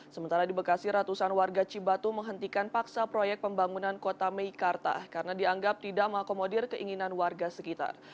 sementara di bekasi ratusan warga cibatu menghentikan paksa proyek pembangunan kota meikarta karena dianggap tidak mengakomodir keinginan warga sekitar